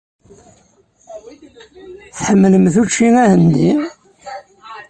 Tḥemmlemt učči ahendi?